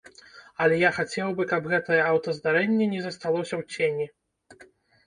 Але я хацеў бы, каб гэтае аўтаздарэнне не засталося ў цені.